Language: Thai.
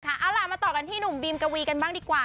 เอาล่ะมาต่อกันที่หนุ่มบีมกวีกันบ้างดีกว่า